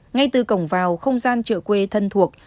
ngay từ cổng vào không gian chợ quê thân thuộc